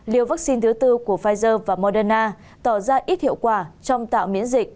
liều vaccine thứ tư của pfizer và moderna tỏ ra ít hiệu quả trong tạo miễn dịch